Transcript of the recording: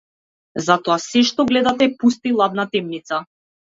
Затоа сѐ што гледате е пуста и ладна темница.